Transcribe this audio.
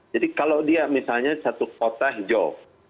jadi kalau dia misalnya satu kota hijau